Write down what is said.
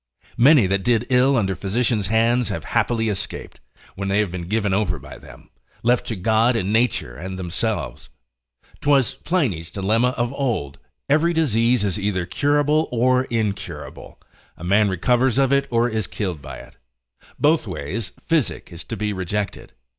Many that did ill under physicians' hands, have happily escaped, when they have been given over by them, left to God and nature, and themselves; 'twas Pliny's dilemma of old, every disease is either curable or incurable, a man recovers of it or is killed by it; both ways physic is to be rejected.